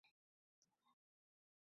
但这一变更引发不少批评。